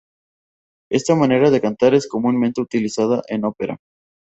Esta manera de cantar es comúnmente utilizada en ópera.